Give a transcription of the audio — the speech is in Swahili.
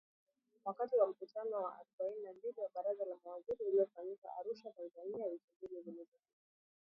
Wakati wa mkutano wa arobaini na mbili wa Baraza la Mawaziri uliofanyika Arusha, Tanzania wiki mbili zilizopita